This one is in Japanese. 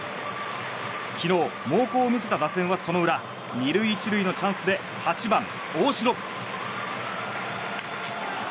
昨日、猛攻を見せた打線はその裏２塁１塁のチャンスで８番、大城。